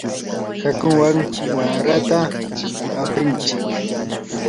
hakuwan wamrata aprinchik.